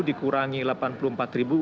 dikurangi delapan puluh empat ribu